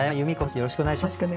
よろしくお願いします。